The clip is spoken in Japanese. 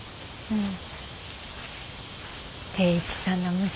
うん。